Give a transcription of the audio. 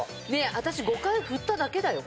私５回振っただけだよこれ。